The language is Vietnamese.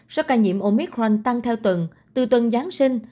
số ca nhiễm omicron tăng theo tuần từ tuần giáng sinh